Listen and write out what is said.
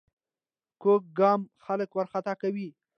کوږ ګام خلک وارخطا کوي